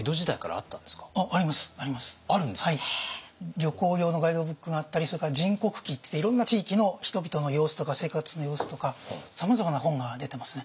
旅行用のガイドブックがあったりそれから「人国記」っていっていろんな地域の人々の様子とか生活の様子とかさまざまな本が出てますね。